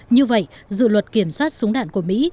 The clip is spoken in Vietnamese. như vậy dự luật kiểm soát súng đạn của mỹ